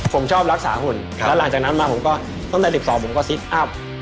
ผมชอบรักษาหุ่นแล้วหลังจากนั้นมาผมก็ตั้งแต่๑๒ผมก็ซิตอัพ